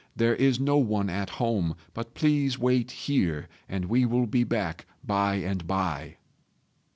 There is no one at home; but please wait here, and we will be back by and by."